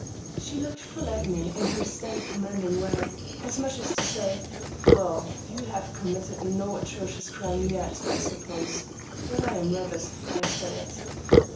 She looked full at me in her steady and commanding way, as much as to say, "Well, you have committed no atrocious crime yet, I suppose; but I am rather surprised at it."